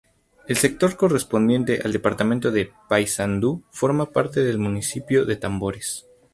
El sector correspondiente al departamento de Paysandú forma parte del municipio de Tambores.